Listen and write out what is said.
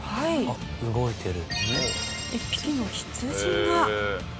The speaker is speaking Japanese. あっ動いてる。